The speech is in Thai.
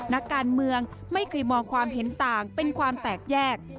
นักการเมืองไม่เคยมองความเห็นต่างเป็นความแตกแยก